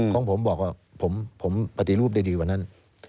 ของผมบอกว่าผมปฏิรูปได้ดีกว่านั้น